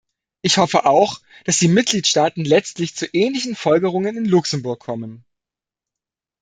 Ich hoffe auch, dass die Mitgliedstaaten letztlich zu ähnlichen Folgerungen in Luxemburg kommen.